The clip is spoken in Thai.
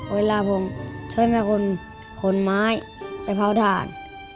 เวลาผมช่วยแม่คนขนไม้ไปเผาถ่าน